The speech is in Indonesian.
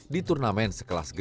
di turnamen sekelas kelas